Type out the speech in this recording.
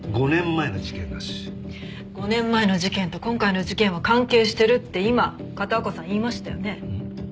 ５年前の事件と今回の事件は関係してるって今片岡さん言いましたよね？